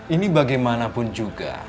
ini bagaimanapun juga